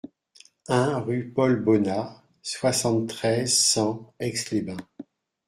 un rue Paul Bonna, soixante-treize, cent, Aix-les-Bains